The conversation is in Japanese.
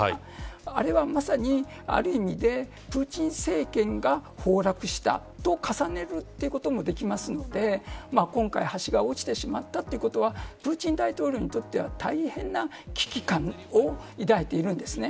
あれは、まさにある意味でプーチン政権が崩落したと重ねることもできますので今回、橋が落ちてしまったということはプーチン大統領にとっては大変な危機感を抱いているんですね。